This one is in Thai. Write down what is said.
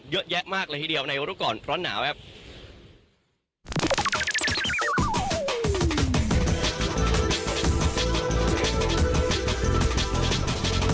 เยอะแยะมากเลยทีเดียวในรูปก่อนร้อนหนาวครับ